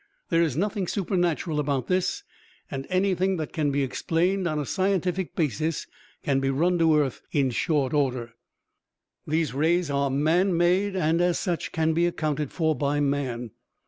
"There is nothing supernatural about this, and anything that can be explained on a scientific basis can be run to earth in short order. These rays are man made and, as such, can be accounted for by man.